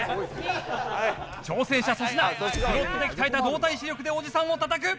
挑戦者粗品スロットで鍛えた動体視力でおじさんを叩く！